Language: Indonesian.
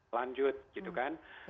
lanjut gitu kan